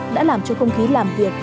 đã làm cho không khí làm việc